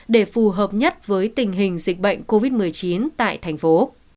để phù hợp nhất với tình hình dịch bệnh covid một mươi chín tại thành phố